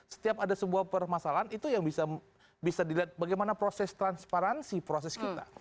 setiap ada sebuah permasalahan itu yang bisa dilihat bagaimana proses transparansi proses kita